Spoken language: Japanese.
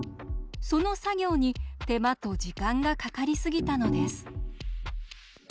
その作業に手間と時間がかかりすぎたのです。